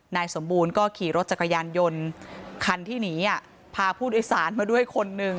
นายสมบูรณ์ก็ขี่รถจักรยานยนต์คันที่หนีพาผู้โดยสารมาด้วยคนหนึ่ง